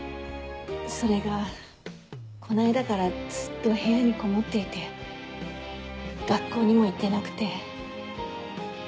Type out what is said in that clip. それがこの間からずっと部屋にこもっていて学校にも行ってなくて。